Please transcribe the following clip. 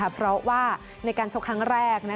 เพราะว่าในการชกครั้งแรก